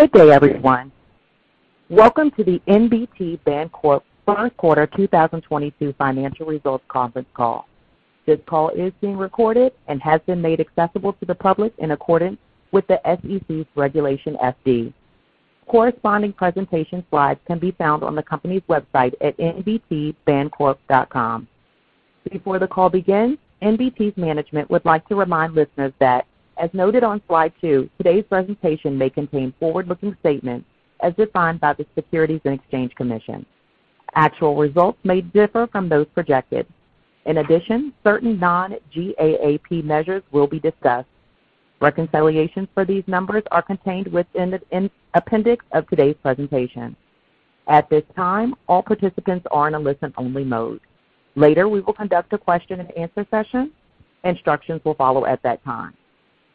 Good day, everyone. Welcome to the NBT Bancorp first quarter 2022 financial results conference call. This call is being recorded and has been made accessible to the public in accordance with the SEC's Regulation FD. Corresponding presentation slides can be found on the company's website at nbtbancorp.com. Before the call begins, NBT's management would like to remind listeners that, as noted on slide two, today's presentation may contain forward-looking statements as defined by the Securities and Exchange Commission. Actual results may differ from those projected. In addition, certain non-GAAP measures will be discussed. Reconciliations for these numbers are contained within the appendix of today's presentation. At this time, all participants are in a listen-only mode. Later, we will conduct a question-and-answer session. Instructions will follow at that time.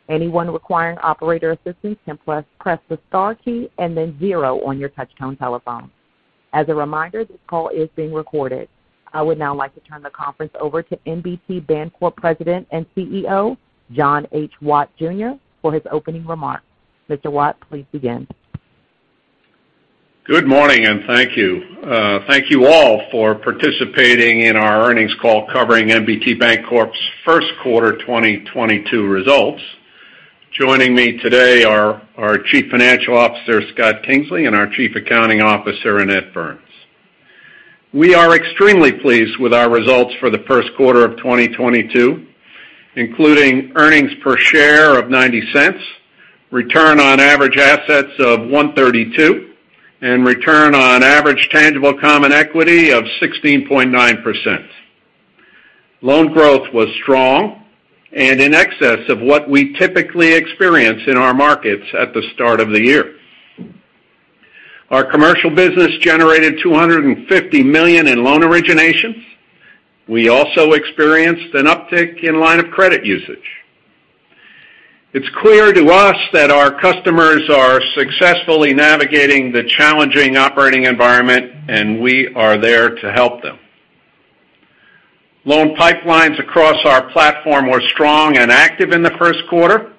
Anyone requiring operator assistance can press the star key and then zero on your touchtone telephone. As a reminder, this call is being recorded. I would now like to turn the conference over to NBT Bancorp President and CEO, John H. Watt Jr., for his opening remarks. Mr. Watt, please begin. Good morning, and thank you. Thank you all for participating in our earnings call covering NBT Bancorp's first quarter 2022 results. Joining me today are our Chief Financial Officer, Scott Kingsley, and our Chief Accounting Officer, Annette Burns. We are extremely pleased with our results for the first quarter of 2022, including earnings per share of $0.90, return on average assets of 1.32%, and return on average tangible common equity of 16.9%. Loan growth was strong and in excess of what we typically experience in our markets at the start of the year. Our commercial business generated $250 million in loan originations. We also experienced an uptick in line of credit usage. It's clear to us that our customers are successfully navigating the challenging operating environment, and we are there to help them. Loan pipelines across our platform were strong and active in the first quarter.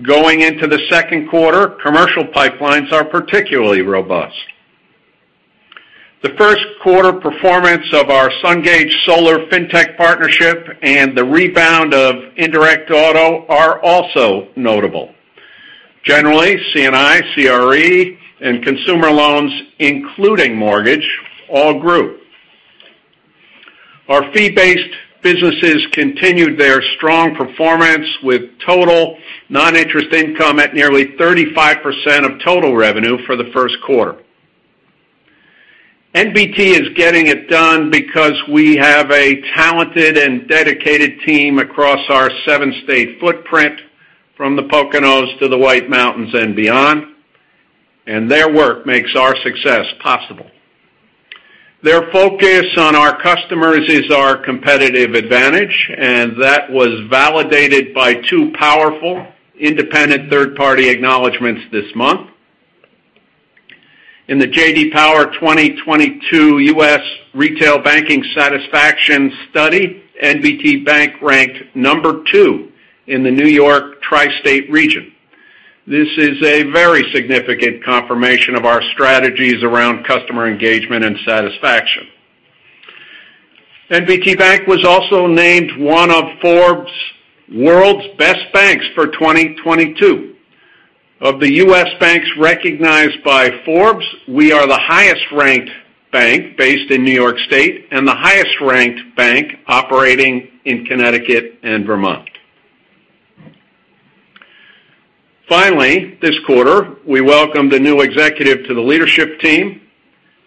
Going into the second quarter, commercial pipelines are particularly robust. The first quarter performance of our Sungage Financial fintech partnership and the rebound of indirect auto are also notable. Generally, C&I, CRE, and consumer loans, including mortgage, all grew. Our fee-based businesses continued their strong performance with total non-interest income at nearly 35% of total revenue for the first quarter. NBT is getting it done because we have a talented and dedicated team across our seven-state footprint, from the Poconos to the White Mountains and beyond, and their work makes our success possible. Their focus on our customers is our competitive advantage, and that was validated by two powerful independent third-party acknowledgments this month. In the J.D. Power 2022 U.S. Retail Banking Satisfaction study, NBT Bank ranked number two in the New York tri-state region. This is a very significant confirmation of our strategies around customer engagement and satisfaction. NBT Bank was also named one of Forbes World's Best Banks for 2022. Of the U.S. banks recognized by Forbes, we are the highest-ranked bank based in New York State and the highest-ranked bank operating in Connecticut and Vermont. Finally, this quarter, we welcomed a new executive to the leadership team.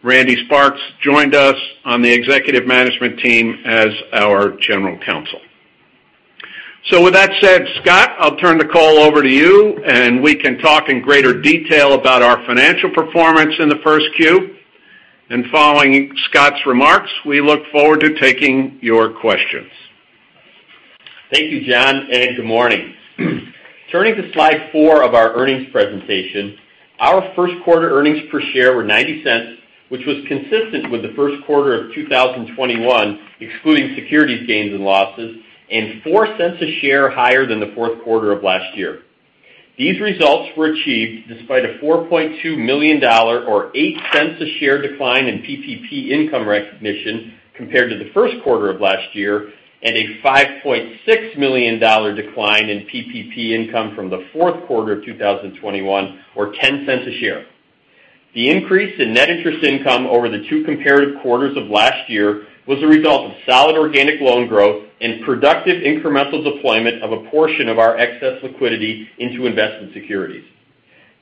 Randy Sparks joined us on the executive management team as our General Counsel. With that said, Scott, I'll turn the call over to you, and we can talk in greater detail about our financial performance in the first Q. Following Scott's remarks, we look forward to taking your questions. Thank you, John, and good morning. Turning to slide four of our earnings presentation. Our first quarter earnings per share were $0.90, which was consistent with the first quarter of 2021, excluding securities gains and losses, and $0.04 a share higher than the fourth quarter of last year. These results were achieved despite a $4.2 million or $0.08 a share decline in PPP income recognition compared to the first quarter of last year, and a $5.6 million decline in PPP income from the fourth quarter of 2021 or $0.10 a share. The increase in net interest income over the two comparative quarters of last year was a result of solid organic loan growth and productive incremental deployment of a portion of our excess liquidity into investment securities.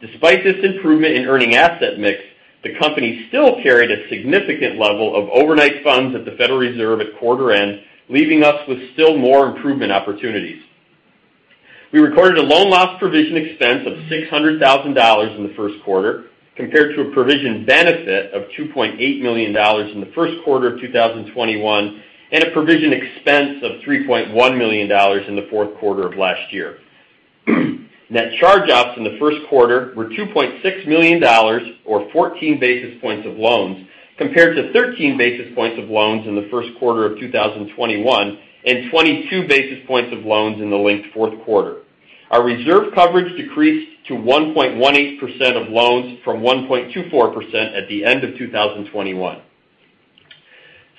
Despite this improvement in earning asset mix, the company still carried a significant level of overnight funds at the Federal Reserve at quarter end, leaving us with still more improvement opportunities. We recorded a loan loss provision expense of $600 thousand in the first quarter compared to a provision benefit of $2.8 million in the first quarter of 2021, and a provision expense of $3.1 million in the fourth quarter of last year. Net charge-offs in the first quarter were $2.6 million or 14 basis points of loans compared to 13 basis points of loans in the first quarter of 2021 and 22 basis points of loans in the linked fourth quarter. Our reserve coverage decreased to 1.18% of loans from 1.24% at the end of 2021.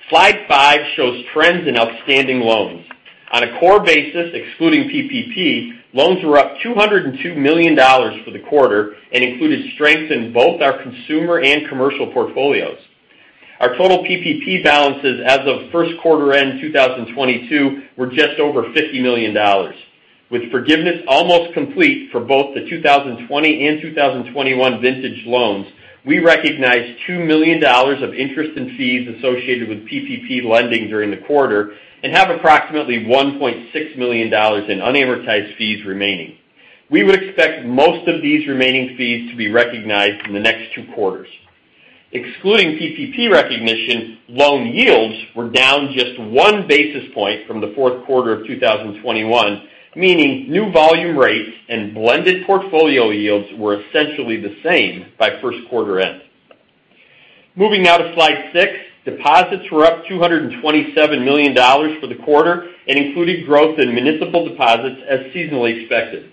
Slide five shows trends in outstanding loans. On a core basis, excluding PPP, loans were up $202 million for the quarter and included strength in both our consumer and commercial portfolios. Our total PPP balances as of first quarter end 2022 were just over $50 million. With forgiveness almost complete for both the 2020 and 2021 vintage loans, we recognized $2 million of interest and fees associated with PPP lending during the quarter and have approximately $1.6 million in unamortized fees remaining. We would expect most of these remaining fees to be recognized in the next two quarters. Excluding PPP recognition, loan yields were down just 1 basis point from the fourth quarter of 2021, meaning new volume rates and blended portfolio yields were essentially the same by first quarter end. Moving now to slide 6. Deposits were up $227 million for the quarter and included growth in municipal deposits as seasonally expected.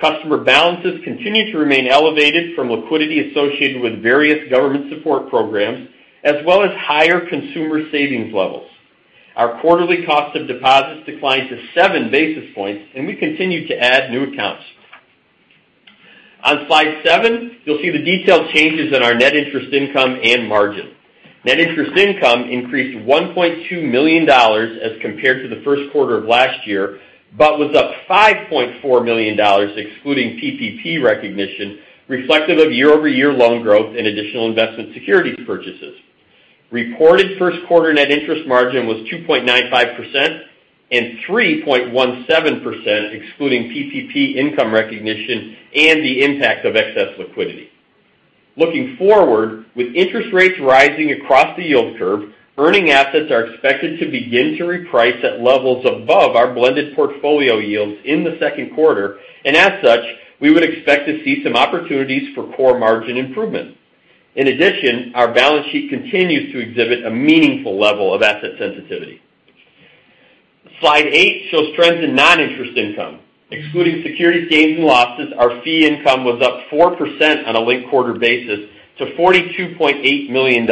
Customer balances continued to remain elevated from liquidity associated with various government support programs as well as higher consumer savings levels. Our quarterly cost of deposits declined to 7 basis points, and we continued to add new accounts. On slide seven, you'll see the detailed changes in our net interest income and margin. Net interest income increased $1.2 million as compared to the first quarter of last year, but was up $5.4 million excluding PPP recognition, reflective of year-over-year loan growth and additional investment securities purchases. Reported first quarter net interest margin was 2.95% and 3.17% excluding PPP income recognition and the impact of excess liquidity. Looking forward, with interest rates rising across the yield curve, earning assets are expected to begin to reprice at levels above our blended portfolio yields in the second quarter, and as such, we would expect to see some opportunities for core margin improvement. In addition, our balance sheet continues to exhibit a meaningful level of asset sensitivity. Slide eight shows trends in non-interest income. Excluding securities gains and losses, our fee income was up 4% on a linked quarter basis to $42.8 million.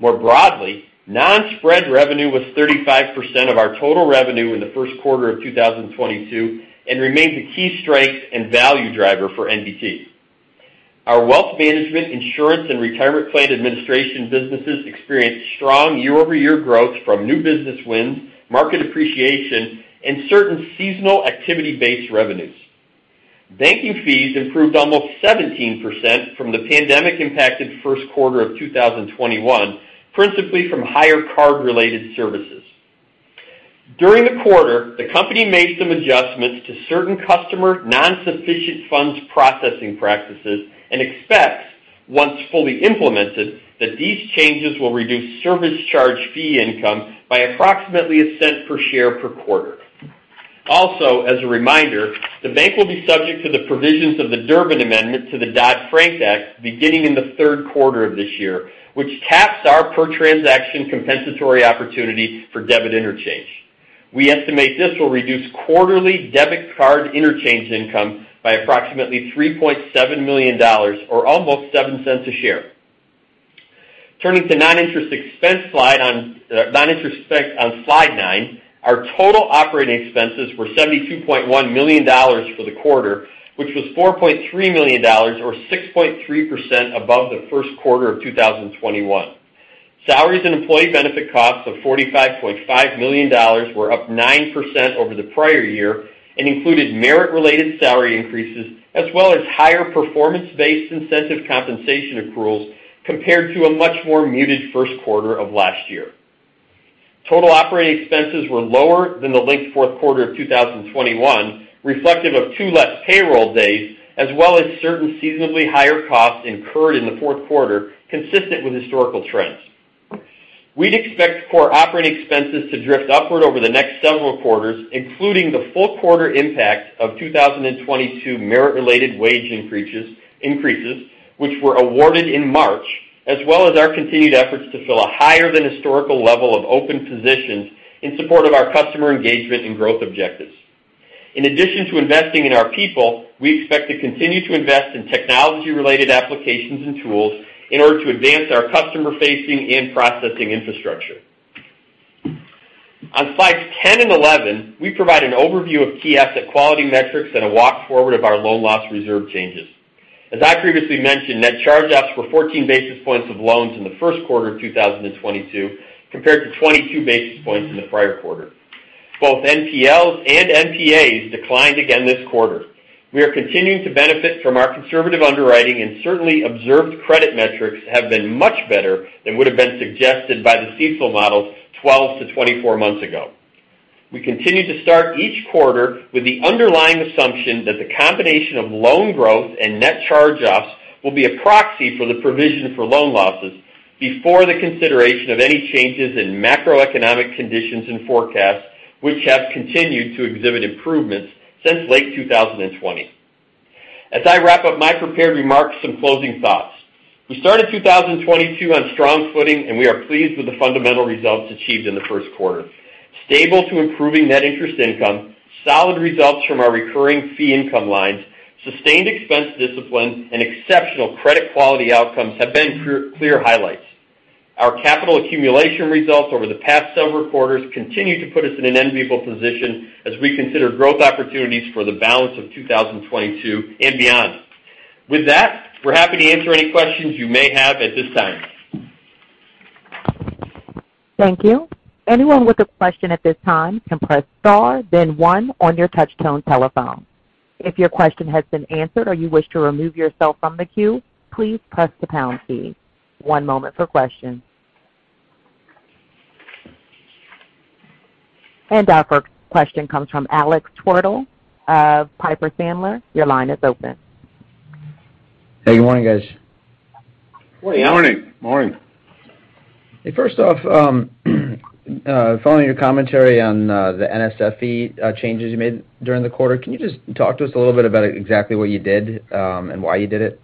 More broadly, non-spread revenue was 35% of our total revenue in the first quarter of 2022 and remains a key strength and value driver for NBT. Our wealth management, insurance, and retirement plan administration businesses experienced strong year-over-year growth from new business wins, market appreciation, and certain seasonal activity-based revenues. Banking fees improved almost 17% from the pandemic-impacted first quarter of 2021, principally from higher card-related services. During the quarter, the company made some adjustments to certain customer non-sufficient funds processing practices and expects, once fully implemented, that these changes will reduce service charge fee income by approximately $0.01 per share per quarter. Also, as a reminder, the bank will be subject to the provisions of the Durbin amendment to the Dodd-Frank Act beginning in the third quarter of this year, which caps our per transaction compensatory opportunity for debit interchange. We estimate this will reduce quarterly debit card interchange income by approximately $3.7 million or almost $0.07 per share. Turning to non-interest expense on slide nine. Our total operating expenses were $72.1 million for the quarter, which was $4.3 million or 6.3% above the first quarter of 2021. Salaries and employee benefit costs of $45.5 million were up 9% over the prior year and included merit-related salary increases as well as higher performance-based incentive compensation accruals compared to a much more muted first quarter of last year. Total operating expenses were lower than the linked fourth quarter of 2021, reflective of two less payroll days as well as certain seasonably higher costs incurred in the fourth quarter, consistent with historical trends. We'd expect core operating expenses to drift upward over the next several quarters, including the full quarter impact of 2022 merit-related wage increases, which were awarded in March, as well as our continued efforts to fill a higher than historical level of open positions in support of our customer engagement and growth objectives. In addition to investing in our people, we expect to continue to invest in technology-related applications and tools in order to advance our customer-facing and processing infrastructure. On slides 10 and 11, we provide an overview of key asset quality metrics and a walk-forward of our loan loss reserve changes. As I previously mentioned, net charge-offs were 14 basis points of loans in the first quarter of 2022 compared to 22 basis points in the prior quarter. Both NPLs and NPAs declined again this quarter. We are continuing to benefit from our conservative underwriting, and certainly observed credit metrics have been much better than would have been suggested by the CECL models 12-24 months ago. We continue to start each quarter with the underlying assumption that the combination of loan growth and net charge-offs will be a proxy for the provision for loan losses before the consideration of any changes in macroeconomic conditions and forecasts, which have continued to exhibit improvements since late 2020. As I wrap up my prepared remarks, some closing thoughts. We started 2022 on strong footing, and we are pleased with the fundamental results achieved in the first quarter. Stable to improving net interest income, solid results from our recurring fee income lines, sustained expense discipline, and exceptional credit quality outcomes have been clear highlights. Our capital accumulation results over the past several quarters continue to put us in an enviable position as we consider growth opportunities for the balance of 2022 and beyond. With that, we're happy to answer any questions you may have at this time. Thank you. Anyone with a question at this time can press Star, then one on your touchtone telephone. If your question has been answered or you wish to remove yourself from the queue, please press the pound key. One moment for questions. Our first question comes from Alex Twerdahl of Piper Sandler. Your line is open. Hey, good morning, guys. Good morning. Morning. Morning. Hey, first off, following your commentary on the NSF fee changes you made during the quarter, can you just talk to us a little bit about exactly what you did and why you did it?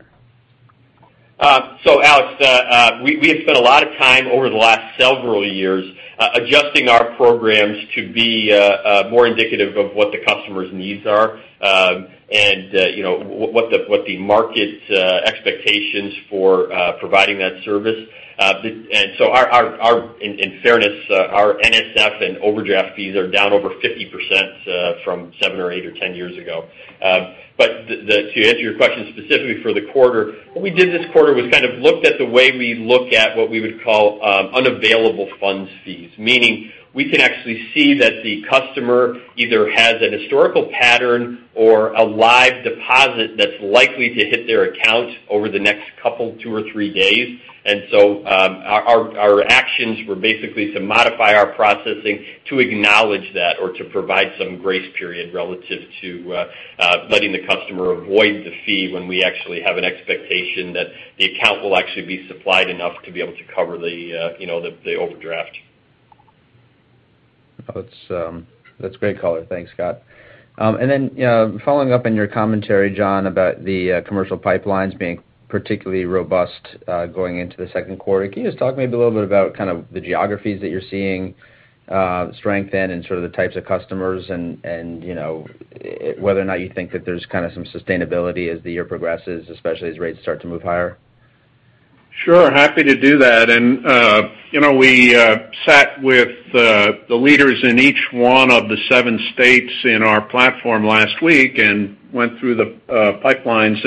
Alex, we have spent a lot of time over the last several years adjusting our programs to be more indicative of what the customer's needs are, and you know, what the market's expectations for providing that service. In fairness, our NSF and overdraft fees are down over 50% from 7 or 8 or 10 years ago. To answer your question specifically for the quarter, what we did this quarter was kind of looked at the way we look at what we would call unavailable funds fees. Meaning we can actually see that the customer either has an historical pattern or a live deposit that's likely to hit their account over the next couple or 3 days. Our actions were basically to modify our processing to acknowledge that or to provide some grace period relative to letting the customer avoid the fee when we actually have an expectation that the account will actually be supplied enough to be able to cover the, you know, the overdraft. That's great color. Thanks, Scott. You know, following up on your commentary, John, about the commercial pipelines being particularly robust going into the second quarter. Can you just talk maybe a little bit about kind of the geographies that you're seeing strength in and sort of the types of customers and, you know, whether or not you think that there's kind of some sustainability as the year progresses, especially as rates start to move higher? Sure. Happy to do that. You know, we sat with the leaders in each one of the seven states in our platform last week and went through the pipelines.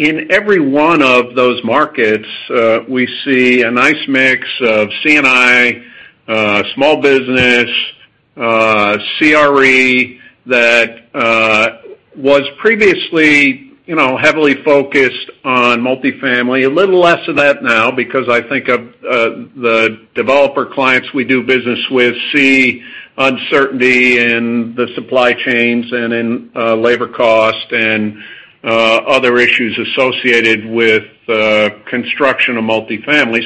In every one of those markets, we see a nice mix of C&I, small business, CRE that was previously, you know, heavily focused on multifamily. A little less of that now because I think the developer clients we do business with see uncertainty in the supply chains and in labor cost and other issues associated with construction of multifamily.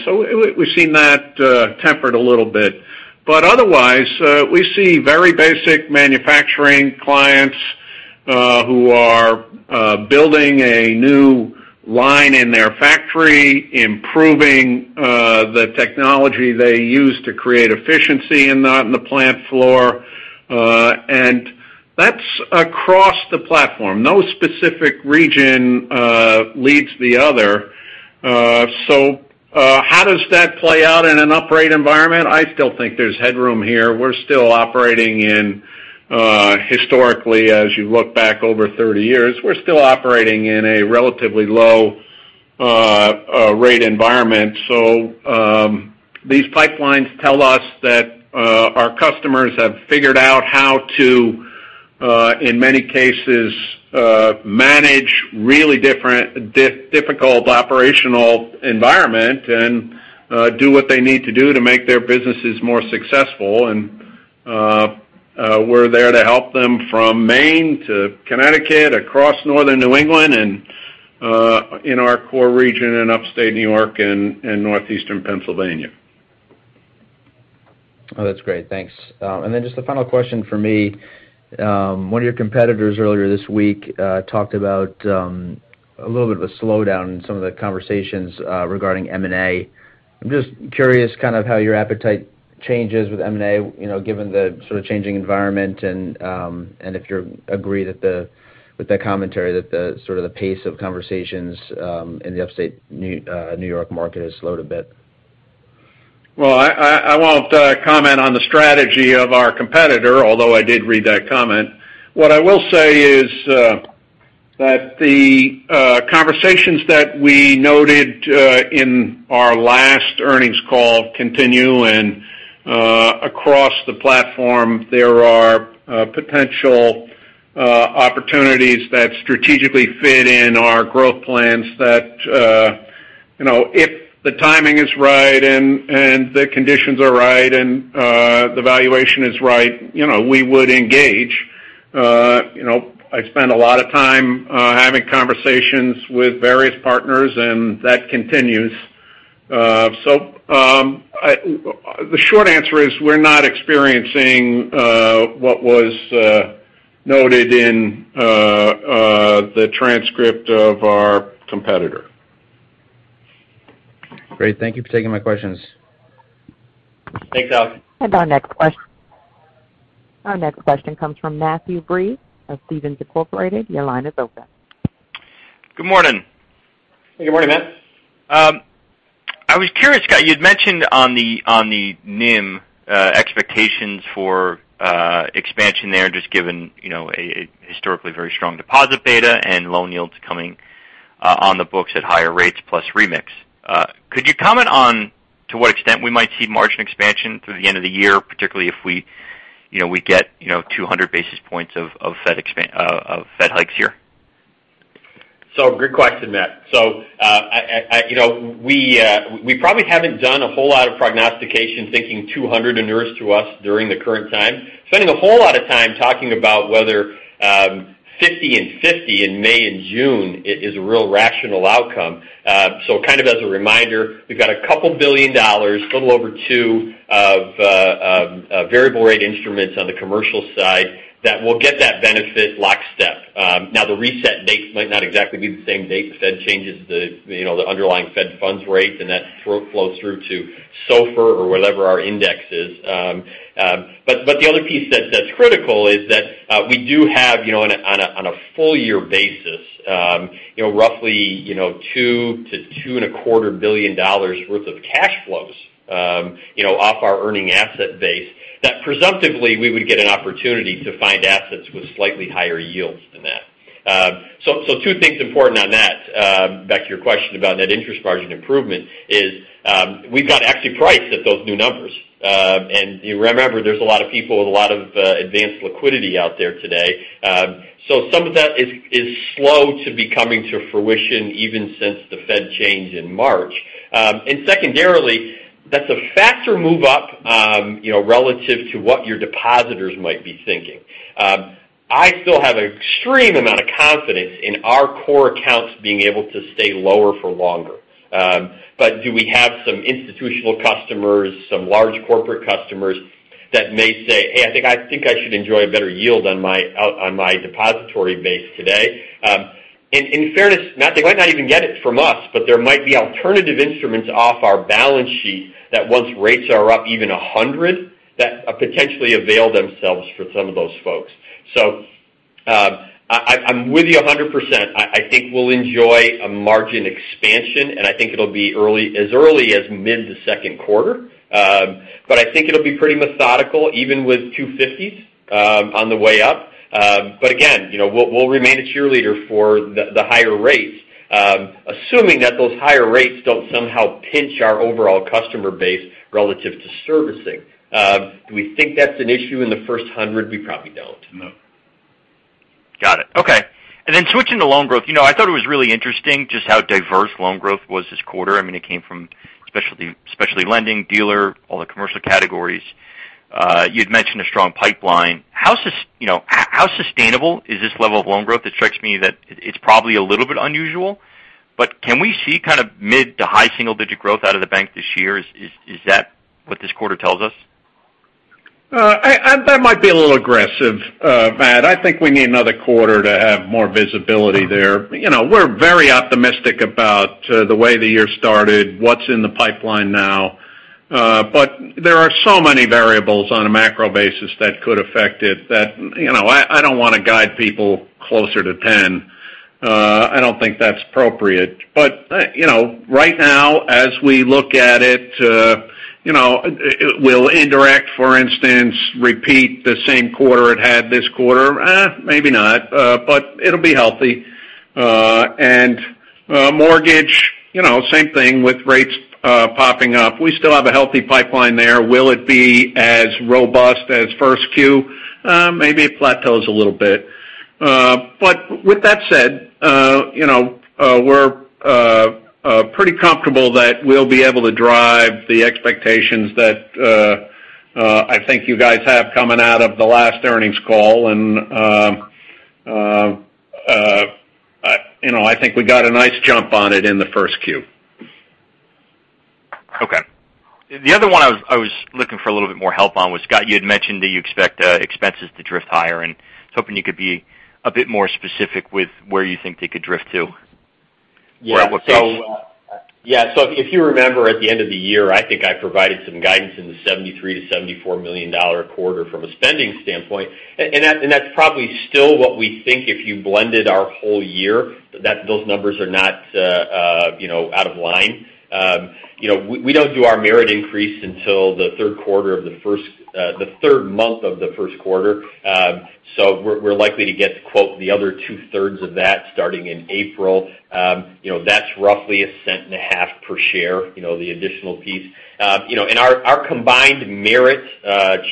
We've seen that tempered a little bit. Otherwise, we see very basic manufacturing clients who are building a new line in their factory, improving the technology they use to create efficiency in the plant floor. That's across the platform. No specific region leads the other. How does that play out in a higher-rate environment? I still think there's headroom here. We're still operating in historically, as you look back over 30 years, we're still operating in a relatively low rate environment. These pipelines tell us that our customers have figured out how to, in many cases, manage really difficult operational environment and do what they need to do to make their businesses more successful. We're there to help them from Maine to Connecticut, across Northern New England and in our core region in Upstate New York and Northeastern Pennsylvania. Oh, that's great. Thanks. Just the final question for me. One of your competitors earlier this week talked about a little bit of a slowdown in some of the conversations regarding M&A. I'm just curious kind of how your appetite changes with M&A, you know, given the sort of changing environment and if you agree with the commentary that the sort of pace of conversations in the Upstate New York market has slowed a bit. Well, I won't comment on the strategy of our competitor, although I did read that comment. What I will say is that the conversations that we noted in our last earnings call continue. Across the platform, there are potential opportunities that strategically fit in our growth plans that you know, if the timing is right and the conditions are right and the valuation is right, you know, we would engage. You know, I spend a lot of time having conversations with various partners, and that continues. The short answer is we're not experiencing what was noted in the transcript of our competitor. Great. Thank you for taking my questions. Thanks, Alex. Our next question comes from Matthew Breese of Stephens Inc. Your line is open. Good morning. Good morning, Matt. I was curious, Scott. You'd mentioned on the NIM expectations for expansion there, just given you know a historically very strong deposit beta and loan yields coming on the books at higher rates plus remix. Could you comment on to what extent we might see margin expansion through the end of the year, particularly if we you know get you know 200 basis points of Fed hikes here? Good question, Matthew. You know, we probably haven't done a whole lot of prognostication thinking 200 inures to us during the current time. Spending a whole lot of time talking about whether 50/50 in May and June is a real rational outcome. Kind of as a reminder, we've got a little over $2 billion of variable rate instruments on the commercial side that will get that benefit lockstep. Now, the reset date might not exactly be the same date the Fed changes the underlying Fed funds rate, and that flows through to SOFR or whatever our index is. The other piece that's critical is that we do have, you know, on a full year basis, you know, roughly, you know, $2 billion-$2.25 billion worth of cash flows, you know, off our earning asset base, that presumptively we would get an opportunity to find assets with slightly higher yields than that. Two things important on that, back to your question about net interest margin improvement is, we've got actually priced at those new numbers. You remember, there's a lot of people with a lot of excess liquidity out there today. Some of that is slow to be coming to fruition even since the Fed change in March. Secondarily, that's a faster move up, you know, relative to what your depositors might be thinking. I still have an extreme amount of confidence in our core accounts being able to stay lower for longer. But do we have some institutional customers, some large corporate customers that may say, "Hey, I think I should enjoy a better yield on my depository base today." In fairness, Matt, they might not even get it from us, but there might be alternative instruments off our balance sheet that once rates are up even 100, that potentially avail themselves for some of those folks. I'm with you 100%. I think we'll enjoy a margin expansion, and I think it'll be early, as early as mid-second quarter. I think it'll be pretty methodical, even with two 50s on the way up. Again, you know, we'll remain a cheerleader for the higher rates, assuming that those higher rates don't somehow pinch our overall customer base relative to servicing. Do we think that's an issue in the first 100? We probably don't. No. Got it. Okay. Switching to loan growth, you know, I mean, it came from specialty lending, dealer, all the commercial categories. You'd mentioned a strong pipeline. How sustainable is this level of loan growth? You know, it strikes me that it's probably a little bit unusual. Can we see kind of mid to high single-digit growth out of the bank this year? Is that what this quarter tells us? That might be a little aggressive, Matt. I think we need another quarter to have more visibility there. You know, we're very optimistic about the way the year started, what's in the pipeline now. There are so many variables on a macro basis that could affect it that, you know, I don't wanna guide people closer to 10. I don't think that's appropriate. You know, right now, as we look at it, you know, will indirect, for instance, repeat the same quarter it had this quarter? Maybe not, but it'll be healthy. Mortgage, you know, same thing with rates popping up. We still have a healthy pipeline there. Will it be as robust as first Q? Maybe it plateaus a little bit. With that said, you know, we're pretty comfortable that we'll be able to drive the expectations that I think you guys have coming out of the last earnings call. You know, I think we got a nice jump on it in the first Q. Okay. The other one I was looking for a little bit more help on was, Scott, you had mentioned that you expect expenses to drift higher, and I was hoping you could be a bit more specific with where you think they could drift to. Yeah. at what pace? If you remember at the end of the year, I think I provided some guidance in the $73 million-$74 million quarter from a spending standpoint. That's probably still what we think if you blended our whole year, that those numbers are not, you know, out of line. You know, we don't do our merit increase until the third month of the first quarter. We're likely to get to quite the other two-thirds of that starting in April. You know, that's roughly $0.015 per share, you know, the additional piece. You know, our combined merit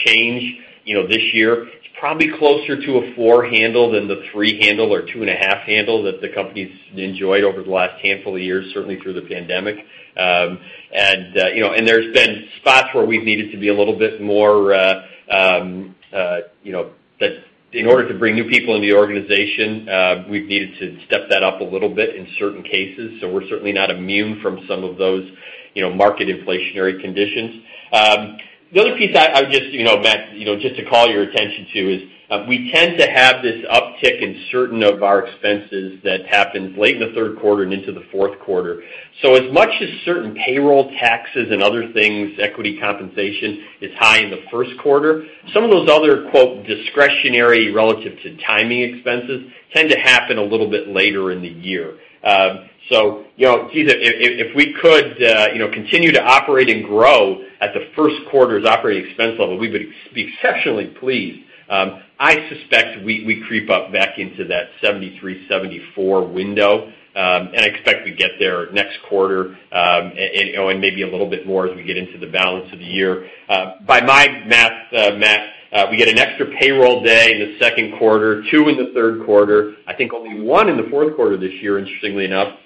change this year, it's probably closer to a 4% handle than the 3% handle or 2.5% handle that the company's enjoyed over the last handful of years, certainly through the pandemic. You know, there's been spots where we've needed to be a little bit more, you know, that. In order to bring new people into the organization, we've needed to step that up a little bit in certain cases. We're certainly not immune from some of those, you know, market inflationary conditions. The other piece I would just, you know, Matt, you know, just to call your attention to is, we tend to have this uptick in certain of our expenses that happens late in the third quarter and into the fourth quarter. As much as certain payroll taxes and other things, equity compensation is high in the first quarter. Some of those other, quote, discretionary relative to timing expenses tend to happen a little bit later in the year. You know, Jesus, if we could continue to operate and grow at the first quarter's operating expense level, we would be exceptionally pleased. I suspect we creep up back into that 73%-74% window, and I expect to get there next quarter, and maybe a little bit more as we get into the balance of the year. By my math, Matt, we get an extra payroll day in the second quarter, two in the third quarter. I think only one in the fourth quarter this year, interestingly enough.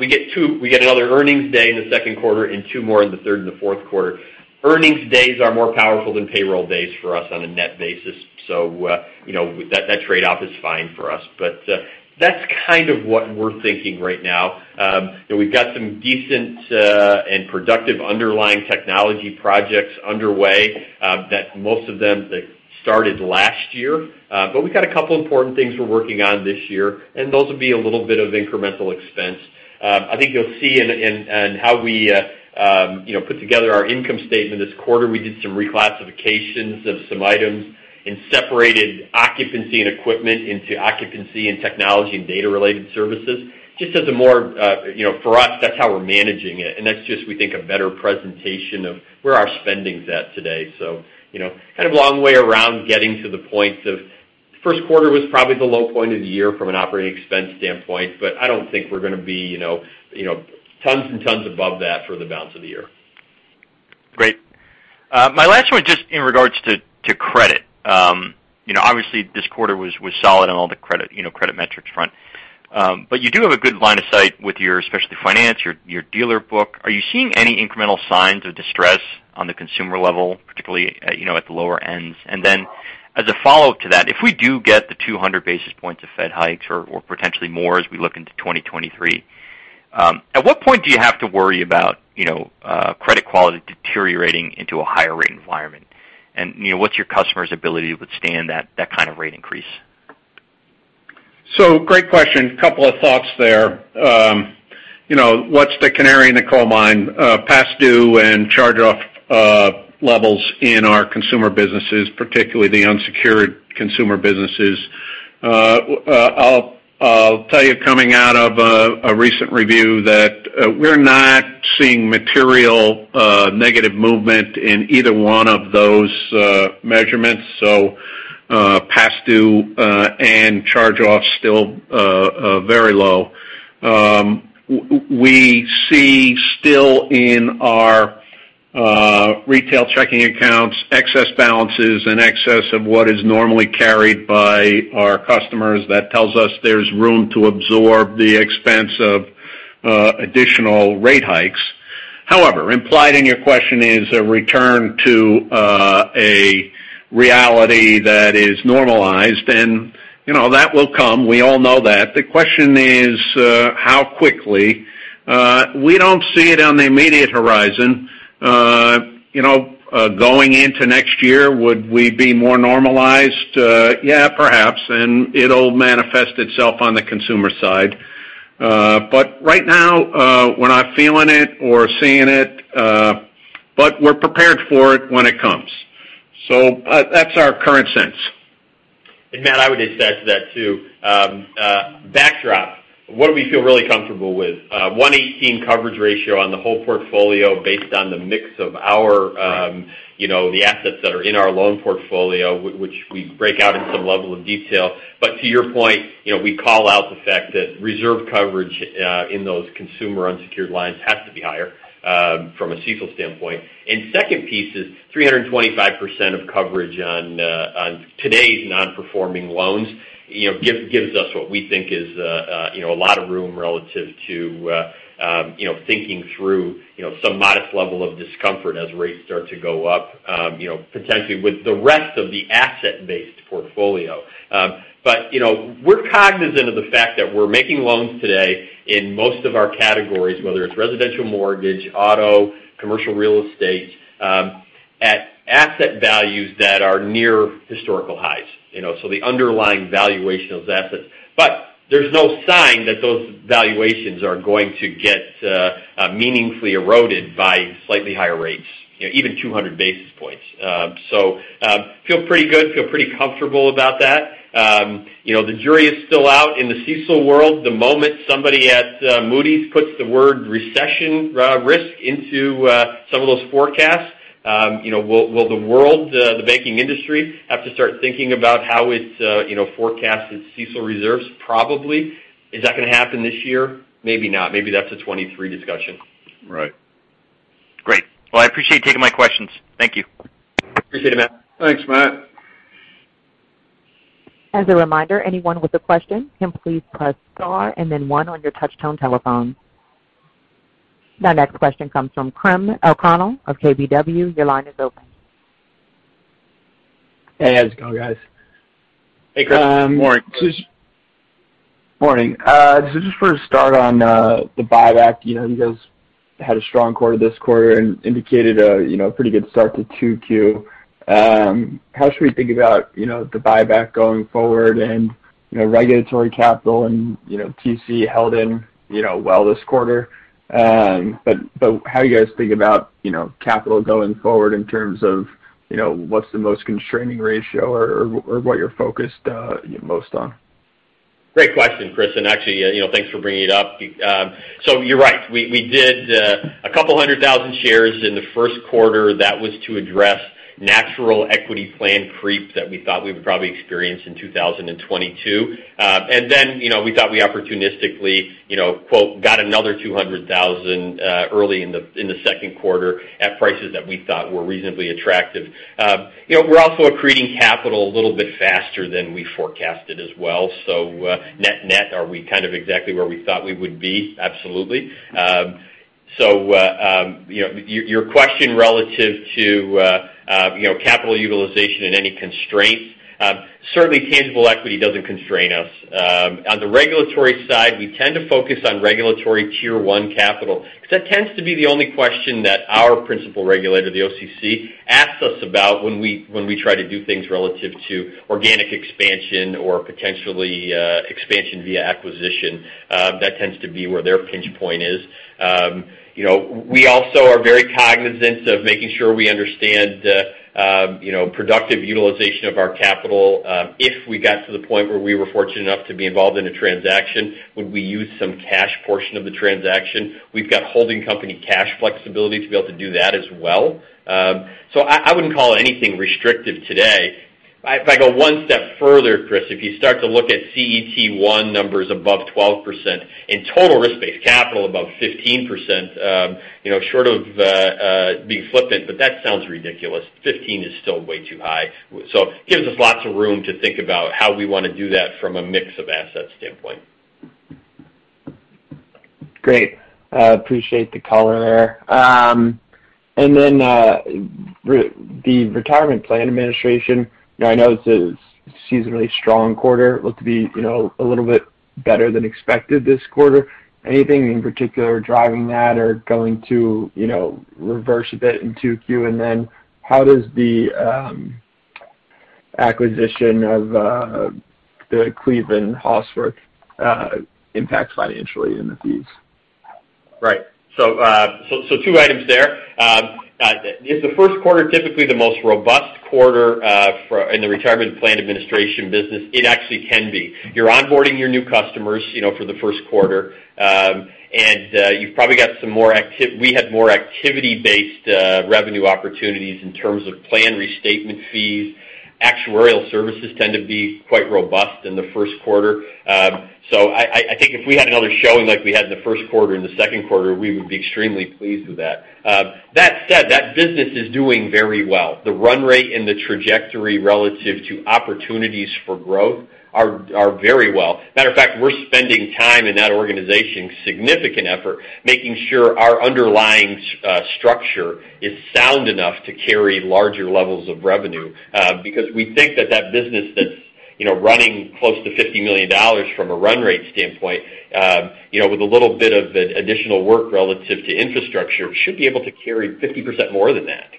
We get another earnings day in the second quarter and two more in the third and the fourth quarter. Earnings days are more powerful than payroll days for us on a net basis. That trade-off is fine for us. That's kind of what we're thinking right now. We've got some decent and productive underlying technology projects underway that most of them started last year. We've got a couple important things we're working on this year, and those will be a little bit of incremental expense. I think you'll see in how we, you know, put together our income statement this quarter, we did some reclassifications of some items and separated occupancy and equipment into occupancy and technology and data related services, just as a more, you know, for us, that's how we're managing it. That's just we think a better presentation of where our spending's at today. You know, kind of long way around getting to the points of first quarter was probably the low point of the year from an operating expense standpoint, but I don't think we're gonna be, you know, you know, tons and tons above that for the balance of the year. Great. My last one just in regards to credit. You know, obviously this quarter was solid on all the credit, you know, credit metrics front. But you do have a good line of sight with your specialty finance, your dealer book. Are you seeing any incremental signs of distress on the consumer level, particularly, you know, at the lower ends? And then as a follow-up to that, if we do get the 200 basis points of Fed hikes or potentially more as we look into 2023, at what point do you have to worry about, you know, credit quality deteriorating into a higher rate environment? And, you know, what's your customer's ability to withstand that kind of rate increase? Great question. Couple of thoughts there. You know, what's the canary in the coal mine, past due and charge off levels in our consumer businesses, particularly the unsecured consumer businesses. I'll tell you coming out of a recent review that we're not seeing material negative movement in either one of those measurements. Past due and charge off still very low. We see still in our retail checking accounts, excess balances in excess of what is normally carried by our customers. That tells us there's room to absorb the expense of additional rate hikes. However, implied in your question is a return to a reality that is normalized, and you know, that will come. We all know that. The question is, how quickly. We don't see it on the immediate horizon. You know, going into next year, would we be more normalized? Yeah, perhaps, and it'll manifest itself on the consumer side. Right now, we're not feeling it or seeing it, but we're prepared for it when it comes. That's our current sense. Matt, I would add to that too. Backdrop, what do we feel really comfortable with? 118 coverage ratio on the whole portfolio based on the mix of our, you know, the assets that are in our loan portfolio, which we break out in some level of detail. To your point, you know, we call out the fact that reserve coverage in those consumer unsecured lines has to be higher from a CECL standpoint. Second piece is 325% coverage on today's non-performing loans, you know, gives us what we think is, you know, a lot of room relative to, you know, thinking through, you know, some modest level of discomfort as rates start to go up, you know, potentially with the rest of the asset-based portfolio. You know, we're cognizant of the fact that we're making loans today in most of our categories, whether it's residential mortgage, auto, commercial real estate, at asset values that are near historical highs, you know, so the underlying valuation of those assets. There's no sign that those valuations are going to get meaningfully eroded by slightly higher rates, you know, even 200 basis points. We feel pretty good, feel pretty comfortable about that. You know, the jury is still out in the CECL world. The moment somebody at Moody's puts the word recession risk into some of those forecasts, you know, will the world, the banking industry have to start thinking about how it forecasts its CECL reserves? Probably. Is that gonna happen this year? Maybe not. Maybe that's a 2023 discussion. Right. Great. Well, I appreciate you taking my questions. Thank you. Appreciate it, Matt. Thanks, Matt. As a reminder, anyone with a question can please press star and then one on your touchtone telephone. My next question comes from Chris O'Connell of KBW. Your line is open. Hey, how's it going, guys? Hey, Chris. Morning. Morning. So just for a start on the buyback, you know, you guys had a strong quarter this quarter and indicated a, you know, pretty good start to 2Q. How should we think about, you know, the buyback going forward and, you know, regulatory capital and, you know, CET1 held in, you know, well this quarter. But how do you guys think about, you know, capital going forward in terms of, you know, what's the most constraining ratio or what you're focused most on? Great question, Chris, and actually, you know, thanks for bringing it up. You're right. We did 200,000 shares in the first quarter. That was to address natural equity plan creep that we thought we would probably experience in 2022. You know, we thought we opportunistically, you know, quote, "got another 200,000," early in the second quarter at prices that we thought were reasonably attractive. You know, we're also accreting capital a little bit faster than we forecasted as well. Net-net, are we kind of exactly where we thought we would be? Absolutely. You know, your question relative to capital utilization and any constraints, certainly tangible equity doesn't constrain us. On the regulatory side, we tend to focus on regulatory Tier 1 capital because that tends to be the only question that our principal regulator, the OCC, asks us about when we try to do things relative to organic expansion or potentially, expansion via acquisition. That tends to be where their pinch point is. You know, we also are very cognizant of making sure we understand, you know, productive utilization of our capital. If we got to the point where we were fortunate enough to be involved in a transaction, would we use some cash portion of the transaction? We've got holding company cash flexibility to be able to do that as well. I wouldn't call it anything restrictive today. If I go one step further, Chris, if you start to look at CET1 numbers above 12% and total risk-based capital above 15%, you know, short of being flippant, but that sounds ridiculous. 15 is still way too high. Gives us lots of room to think about how we wanna do that from a mix of assets standpoint. Great. Appreciate the color there. The retirement plan administration, you know, I know it's a seasonally strong quarter. Looked to be, you know, a little bit better than expected this quarter. Anything in particular driving that or going to, you know, reverse a bit in 2Q? How does the acquisition of the Cleveland Hauswirth impact financially in the fees? Right. Two items there. Is the first quarter typically the most robust quarter for in the retirement plan administration business? It actually can be. You're onboarding your new customers, you know, for the first quarter. We had more activity-based revenue opportunities in terms of plan restatement fees. Actuarial services tend to be quite robust in the first quarter. I think if we had another showing like we had in the first quarter in the second quarter, we would be extremely pleased with that. That said, that business is doing very well. The run rate and the trajectory relative to opportunities for growth are very well. Matter of fact, we're spending time in that organization, significant effort, making sure our underlying structure is sound enough to carry larger levels of revenue. Because we think that business that's, you know, running close to $50 million from a run rate standpoint, you know, with a little bit of additional work relative to infrastructure, should be able to carry 50% more than that.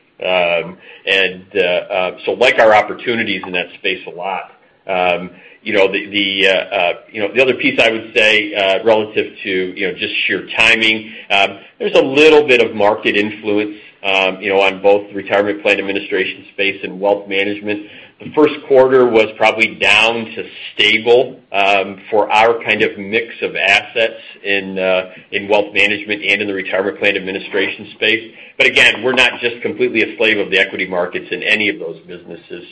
Like our opportunities in that space a lot. You know, the other piece I would say, relative to, you know, just sheer timing, there's a little bit of market influence, you know, on both the retirement plan administration space and wealth management. The first quarter was probably down to stable, for our kind of mix of assets in wealth management and in the retirement plan administration space. Again, we're not just completely a slave of the equity markets in any of those businesses.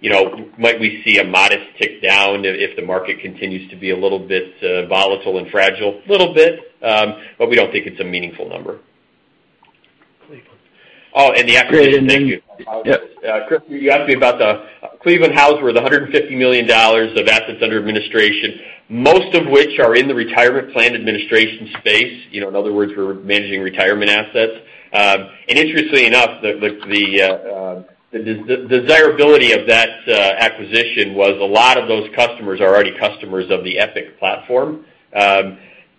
You know, might we see a modest tick down if the market continues to be a little bit volatile and fragile? Little bit, but we don't think it's a meaningful number. Cleveland. Oh, the acquisition. Great. Thank you. Yep. Chris, you asked me about the Cleveland Hauswirth, the $150 million of assets under administration, most of which are in the retirement plan administration space. You know, in other words, we're managing retirement assets. Interestingly enough, the desirability of that acquisition was a lot of those customers are already customers of the EPIC platform.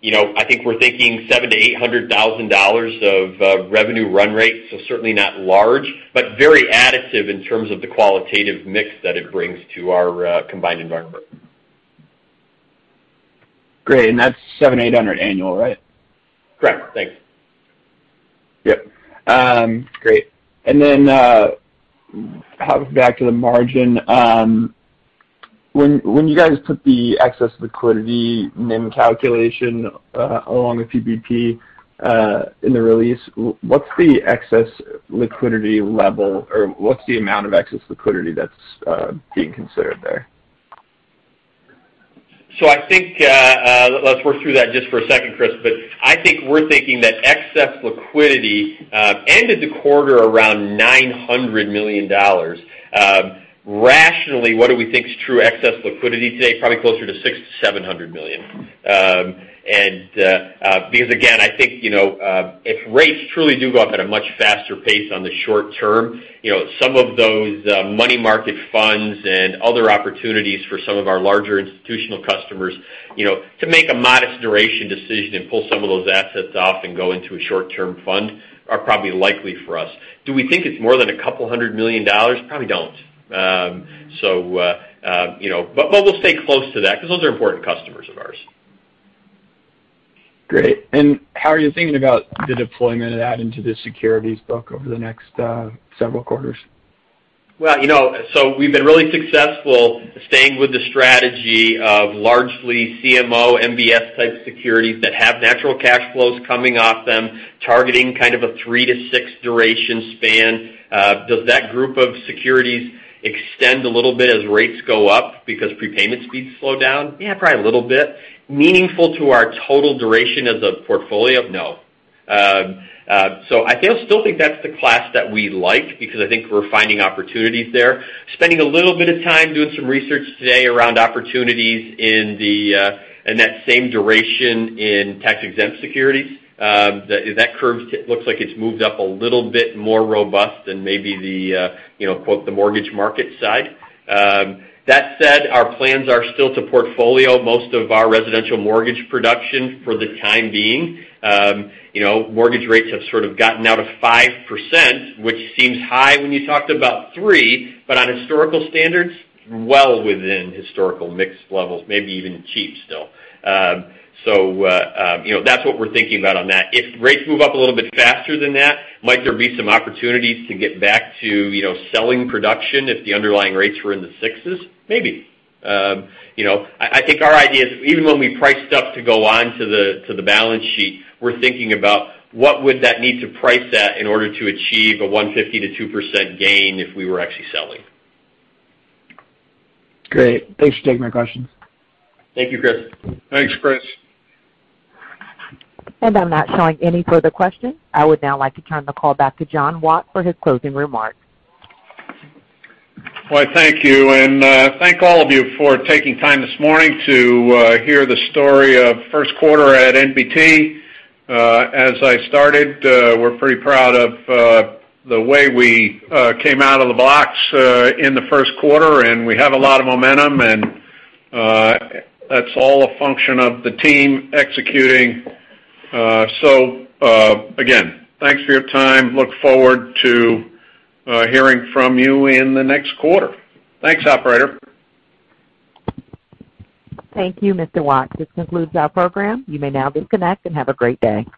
You know, I think we're thinking $700,000-$800,000 of revenue run rate. Certainly not large, but very additive in terms of the qualitative mix that it brings to our combined environment. Great. That's $700,000-$800,000 annual, right? Correct. Thanks. Yep. Great. Hopping back to the margin. When you guys put the excess liquidity NIM calculation along with PPP in the release, what's the excess liquidity level? Or what's the amount of excess liquidity that's being considered there? I think let's work through that just for a second, Chris. I think we're thinking that excess liquidity ended the quarter around $900 million. Rationally, what do we think is true excess liquidity today? Probably closer to $600 million-$700 million. Because again, I think you know if rates truly do go up at a much faster pace on the short term, you know some of those money market funds and other opportunities for some of our larger institutional customers you know to make a modest duration decision and pull some of those assets off and go into a short-term fund are probably likely for us. Do we think it's more than a couple hundred million dollars? Probably don't. You know, we'll stay close to that because those are important customers of ours. Great. How are you thinking about the deployment of that into the securities book over the next several quarters? Well, you know, we've been really successful staying with the strategy of largely CMO, MBS type securities that have natural cash flows coming off them, targeting kind of a 3-6 duration span. Does that group of securities extend a little bit as rates go up because prepayment speeds slow down? Yeah, probably a little bit. Meaningful to our total duration as a portfolio? No. I still think that's the class that we like because I think we're finding opportunities there. Spending a little bit of time doing some research today around opportunities in that same duration in tax-exempt securities, that curve looks like it's moved up a little bit more robust than maybe the you know, quote, the mortgage market side. That said, our plans are still to portfolio most of our residential mortgage production for the time being. You know, mortgage rates have sort of gotten now to 5%, which seems high when you talked about 3%, but on historical standards, well within historical mixed levels, maybe even cheap still. You know, that's what we're thinking about on that. If rates move up a little bit faster than that, might there be some opportunities to get back to, you know, selling production if the underlying rates were in the 6s? Maybe. You know, I think our idea is even when we price stuff to go on to the balance sheet, we're thinking about what would that need to price at in order to achieve a 1.50%-2% gain if we were actually selling. Great. Thanks for taking my questions. Thank you, Chris. Thanks, Chris. I'm not showing any further questions. I would now like to turn the call back to John H. Watt Jr. for his closing remarks. Well, thank you. Thank all of you for taking time this morning to hear the story of first quarter at NBT. As I started, we're pretty proud of the way we came out of the blocks in the first quarter, and we have a lot of momentum and that's all a function of the team executing. Again, thanks for your time. Look forward to hearing from you in the next quarter. Thanks, operator. Thank you, Mr. Watt. This concludes our program. You may now disconnect and have a great day.